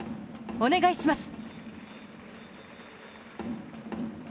お願いします！